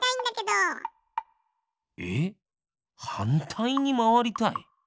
えっはんたいにまわりたい？